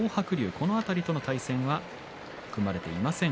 この辺りの対戦が組まれていません